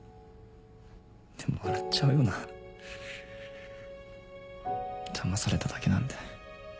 でも笑っちゃうよなだまされただけなんて。